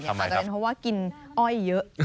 ก็เห็นว่ากินอ้อยเยอะ